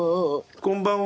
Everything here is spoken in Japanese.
こんばんは。